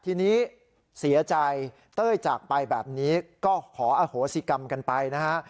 ทีนี้เสียใจเต้ยจากไปแบบนี้ก็ขออโหสิกรรมกันไปนะฮะ